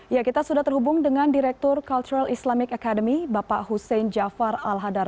ya kita sudah terhubung dengan direktur cultural islamic academy bapak hussein jafar al hadar